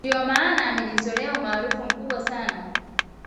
ndio maana amejizolea umaarufu mkubwa sana